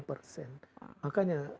lima persen makanya